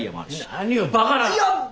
何をバカな！